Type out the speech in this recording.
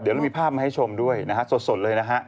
เดี๋ยวเรามีภาพมาให้ชมด้วยนะฮะสดเลยนะฮะ